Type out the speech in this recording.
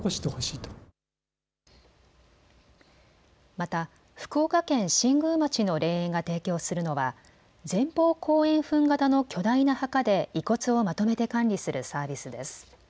また福岡県新宮町の霊園が提供するのは前方後円墳型の巨大な墓で遺骨をまとめて管理するサービスです。